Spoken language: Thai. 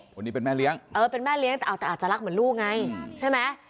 คนนี้เป็นแม่เลี้ยงเออเป็นแม่เลี้ยงแต่อาจจะรักเหมือนลูกไงใช่ไหม